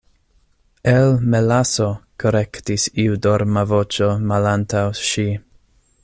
"El melaso," korektis iu dorma voĉo malantaŭ ŝi.